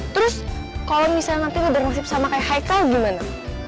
terus kalo misalnya nanti lo udah nasib sama kayak haikal gimana